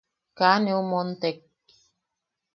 Kaa neu montek.